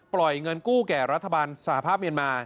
ปล่อยเงินกู้แก่รัฐบาลสหภาพเมียนมา